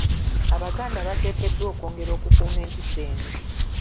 Abaganda bateekeddwa okwongera okukuuma empisa eno.